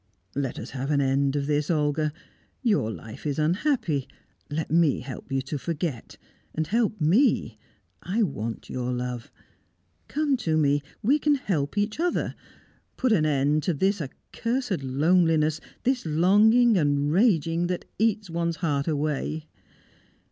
"Let us have an end of this, Olga! Your life is unhappy let me help you to forget. And help me! I want your love. Come to me we can help each other put an end to this accursed loneliness, this longing and raging that eats one's heart away!"